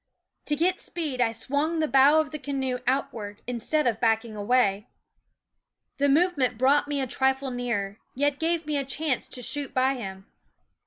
To get speed I swung the bow of the canoe out ward, instead of backing away. The move ment brought me a trifle nearer, yet gave me a chance to shoot by him.